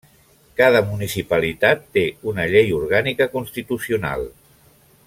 Cada municipalitat té una llei orgànica constitucional.